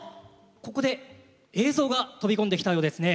ここで映像が飛び込んできたようですね。